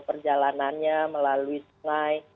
perjalanannya melalui sungai